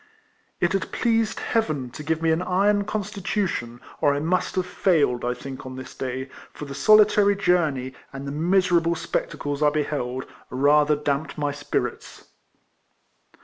It had pleased Heaven to give me an iron constitution, or I must have failed, I think, on this day, for the solitary journey, and the miserable spectacles I beheld, rather damped my spirits.